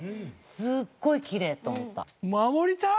すっごいキレイと思った。